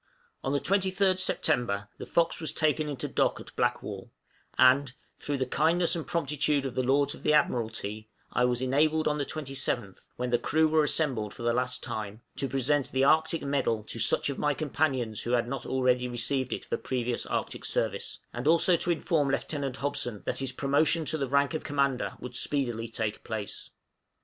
On the 23rd September the 'Fox' was taken into dock at Blackwall; and, through the kindness and promptitude of the Lords of the Admiralty, I was enabled on the 27th, when the crew were assembled for the last time, to present the Arctic medal to such of my companions as had not already received it for previous Arctic service, and also to inform Lieutenant Hobson that his promotion to the rank of Commander would speedily take place.